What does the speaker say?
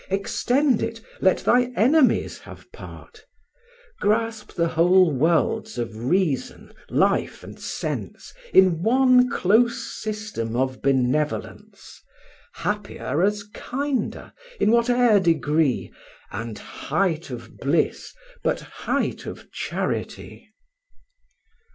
Extend it, let thy enemies have part: Grasp the whole worlds of reason, life, and sense, In one close system of benevolence: Happier as kinder, in whate'er degree, And height of bliss but height of charity.